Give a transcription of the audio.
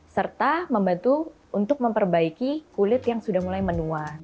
serta membantu untuk memperbaiki kulit yang sudah mulai menua